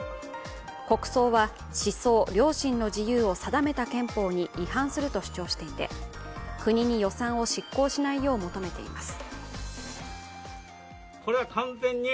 国葬は思想良心の自由を定めた憲法に違反すると主張していて国に予算を執行しないよう求めています。